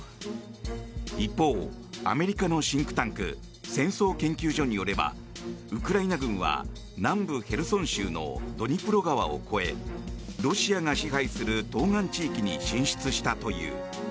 一方、アメリカのシンクタンク戦争研究所によればウクライナ軍は南部ヘルソン州のドニプロ川を越えロシアが支配する東岸地域に進出したという。